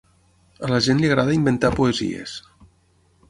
A la gent li agrada inventar poesies.